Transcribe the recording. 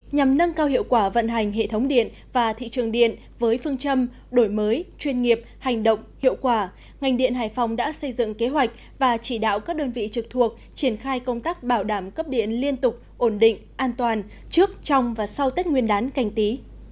nhằm nâng cao hiệu quả vận hành hệ thống điện và thị trường điện với phương châm đổi mới chuyên nghiệp hành động hiệu quả ngành điện hải phòng đã xây dựng kế hoạch và chỉ đạo các đơn vị trực thuộc triển khai công tác bảo đảm cấp điện liên tục ổn định an toàn trước trong và sau tết nguyên đán canh tí